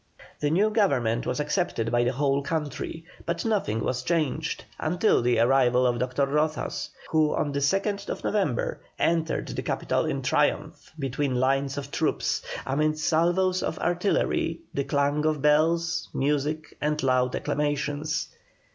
The new Government was accepted by the whole country, but nothing was changed until the arrival of Dr. Rozas, who on the 2nd November entered the capital in triumph, between lines of troops, amid salvoes of artillery, the clang of bells, music, and loud acclamations.